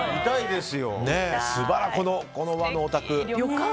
この和のお宅。